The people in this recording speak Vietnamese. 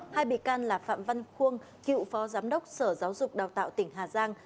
hai bị can là phạm văn khuôn cựu phó giám đốc sở giáo dục đào tạo tỉnh hà giang